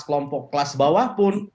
kelompok kelas bawah pun